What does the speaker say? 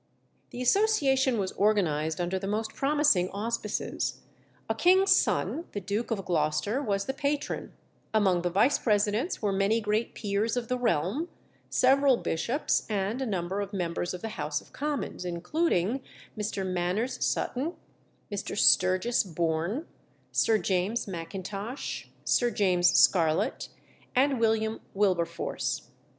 The association was organized under the most promising auspices. A king's son, the Duke of Gloucester, was the patron; among the vice presidents were many great peers of the realm, several bishops, and a number of members of the House of Commons, including Mr. Manners Sutton, Mr. Sturges Bourne, Sir James Mackintosh, Sir James Scarlett, and William Wilberforce.